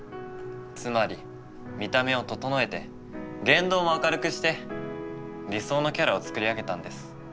つまり見た目を整えて言動も明るくして理想のキャラを作り上げたんです。